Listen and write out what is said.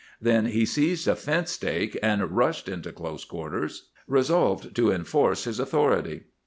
Then he seized a fence stake and rushed into close quarters, resolved to enforce his authority.